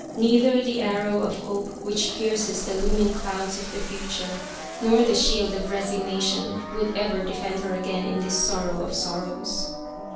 Neither the arrow of hope which pierces the looming clouds of the future, nor the shield of resigna tion, would ever defend her again in this sorrow of sorrows.